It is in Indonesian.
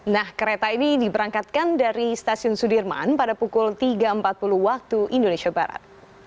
nah kereta ini diberangkatkan dari stasiun sudirman pada pukul tiga empat puluh waktu indonesia barat